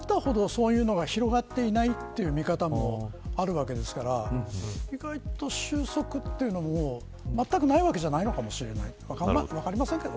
見えてこないですけど、一方で思ったほど、そういうのが広まっていないという見方もあるわけですから意外と収束というのもまったくないわけじゃないかもしれない。